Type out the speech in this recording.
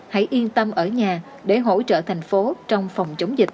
hãy yên tâm ở nhà để hỗ trợ thành phố trong phòng chống dịch